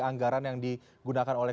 anggaran yang digunakan oleh